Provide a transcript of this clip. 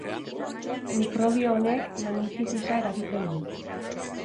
Mikrobio honek meningitisa eragiten du.